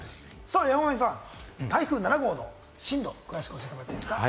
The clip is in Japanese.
山神さん、台風７号の進路を教えてもらっていいですか？